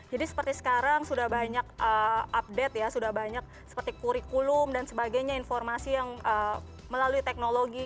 jadi seperti sekarang sudah banyak update ya sudah banyak seperti kurikulum dan sebagainya informasi yang melalui teknologi